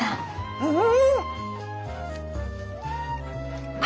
うん。